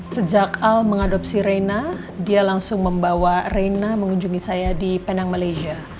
sejak al mengadopsi reina dia langsung membawa reina mengunjungi saya di penang malaysia